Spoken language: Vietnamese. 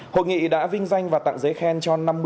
hội nghị đã vinh danh và tặng giấy khen cho năm mươi